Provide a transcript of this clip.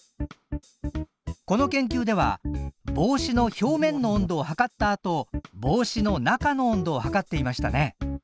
この研究では帽子の表面の温度を測ったあと帽子の中の温度を測っていましたね。